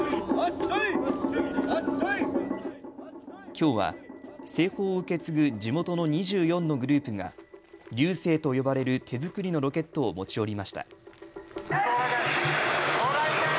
きょうは製法を受け継ぐ地元の２４のグループが龍勢と呼ばれる手作りのロケットを持ち寄りました。